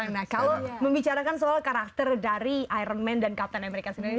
nah kalau membicarakan soal karakter dari iron man dan captain america sendiri